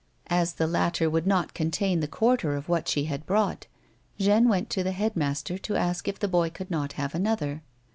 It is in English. As the latter would not con tain the quarter of what she had brought, Jeanne went to the head master to ask if the boy could not have another.